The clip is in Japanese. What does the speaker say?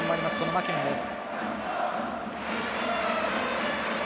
マキノンです。